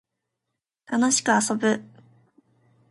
楽しく遊ぶ